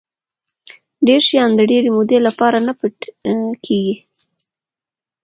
دری شیان د ډېرې مودې لپاره نه پټ کېږي.